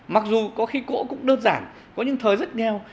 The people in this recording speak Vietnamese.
mặc dù có khi cỗ cũng đơn giản có những thời rất nheo